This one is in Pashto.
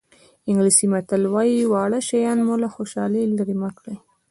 انګلیسي متل وایي واړه شیان مو له خوشحالۍ لرې مه کړي.